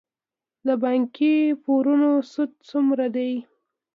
د بانکي پورونو سود څومره دی؟